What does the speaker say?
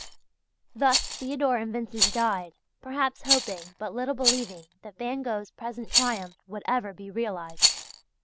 Thus Theodor and Vincent died, perhaps hoping, but little believing that Van Gogh's present triumph would ever be realized.